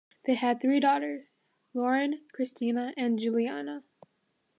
They have three daughters: Lauren, Christina, and Julianna.